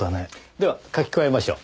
では書き加えましょう。